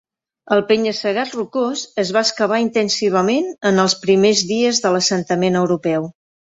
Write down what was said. El penya-segat rocós es va excavar intensivament en els primers dies de l"assentament europeu.